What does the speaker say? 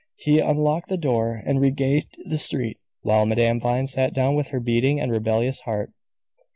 He unlocked the door and regained the street, while Madame Vine sat down with her beating and rebellious heart.